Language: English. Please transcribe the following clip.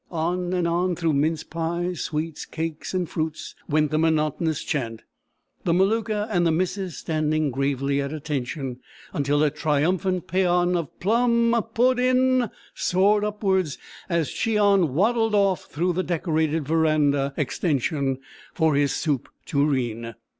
On and on through mince pies, sweets, cakes, and fruits, went the monotonous chant, the Maluka and the missus standing gravely at attention, until a triumphant paeon of "Plum m m Poo dinn!" soared upwards as Cheon waddled off through the decorated verandah extension for his soup tureen.